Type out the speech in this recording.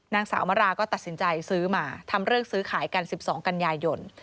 นางสาวมราก็ตัดสินใจซื้อมาทำเลิกซื้อขายกัน๑๒กันยายน